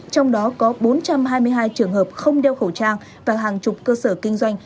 trong đó có bốn trăm hai mươi hai trường hợp không đeo khẩu trang và hàng chục cơ sở kinh doanh